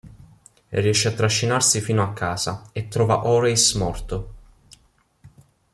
Riesce a trascinarsi fino a casa, e trova Horace morto.